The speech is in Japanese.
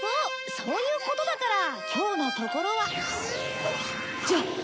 そういうことだから今日のところはじゃ。